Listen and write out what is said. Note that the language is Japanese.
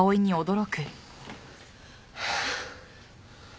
ハァ。